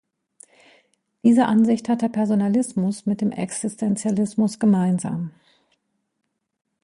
Diese Ansicht hat der Personalismus mit dem Existenzialismus gemeinsam.